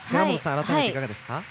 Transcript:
改めていかがですか？